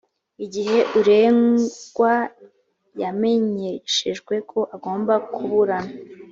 igihe uregwa yamenyeshejwe ko agomba kuburana